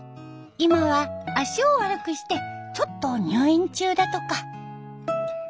今は足を悪くしてちょっと入院中だとか。